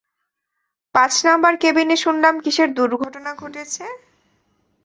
পাঁচ নাম্বার কেবিনে শুনলাম কিসের দূর্ঘটনা ঘটেছে!